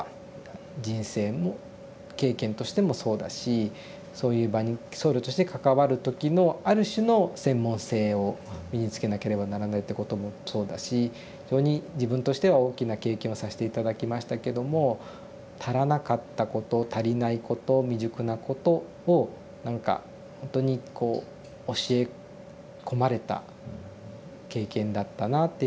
人生も経験としてもそうだしそういう場に僧侶として関わる時のある種の専門性を身につけなければならないってこともそうだし非常に自分としては大きな経験をさして頂きましたけども足らなかったこと足りないこと未熟なことを何かほんとにこう教え込まれた経験だったなっていうふうに振り返っては思いますね。